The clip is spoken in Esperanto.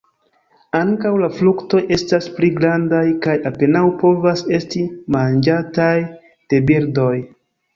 Ankaŭ la fruktoj estas pli grandaj kaj apenaŭ povas esti manĝataj de birdoj.